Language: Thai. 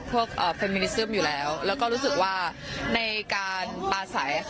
แฟนมินิซึมอยู่แล้วแล้วก็รู้สึกว่าในการปลาใส